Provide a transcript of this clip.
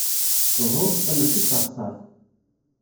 Uhu, ta maci d taɣsert.